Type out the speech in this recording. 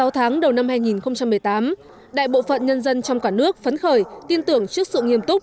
sáu tháng đầu năm hai nghìn một mươi tám đại bộ phận nhân dân trong cả nước phấn khởi tin tưởng trước sự nghiêm túc